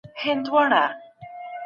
خپلې موندنې په پوره دقت سره ولیکئ.